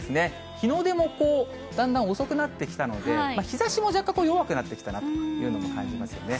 日の出もだんだん遅くなってきたので、日ざしも若干弱くなってきたなというのを感じますよね。